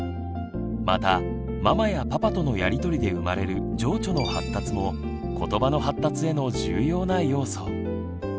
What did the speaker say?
またママやパパとのやり取りで生まれる情緒の発達もことばの発達への重要な要素。